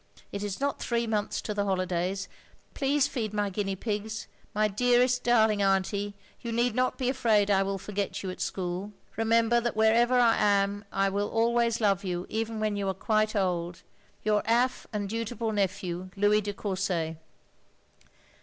It is not three months to the hollydays. Plese feed my guiny pigs. My derest darling Anty, you need not be afrade I will forget you at schole. " Rember that werever I am I will holways love you even when you are quit old. " Your off. and dutiful nephew, " Louis de Courset.